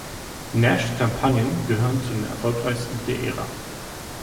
Nashs Kampagnen gehörten zu den erfolgreichsten der Ära.